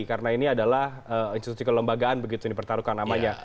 karena ini adalah institusi kelembagaan begitu ini pertarungkan namanya